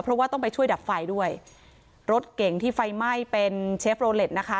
เพราะว่าต้องไปช่วยดับไฟด้วยรถเก่งที่ไฟไหม้เป็นเชฟโลเล็ตนะคะ